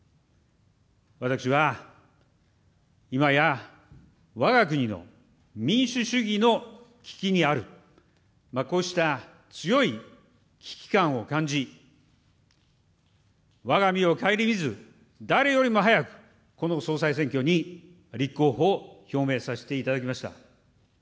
私は、今やわが国の民主主義の危機にある、こうした強い危機感を感じ、わが身を顧みず、誰よりも早く、この総裁選挙に立候補を表明させていただきました。